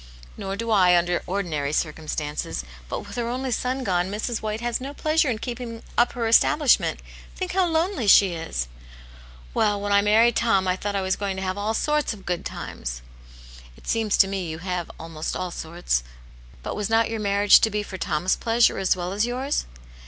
"Nor do I, under ordinary circumstances. But with her only son gone, Mrs. White has no pleasure in keeping up her establishment. Think how lonely she is !" "Well, when I married Tom, I thought I was going to have all sorts of good times." " It seems to me you have almost all sorts. But was not your marriage to be for Tom's pleasure, as well as yours